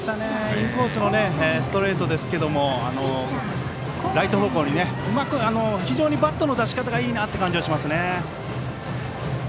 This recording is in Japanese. インコースのストレートですけどライト方向にうまく非常にバットの出しかたがいいなという感じがしますね。